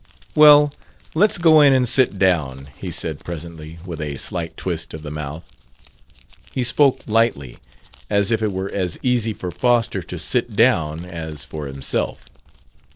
"Well, let's go in and sit down," he said presently, with a slight twist of the mouth. He spoke lightly, as if it were as easy for Foster to sit down as for himself.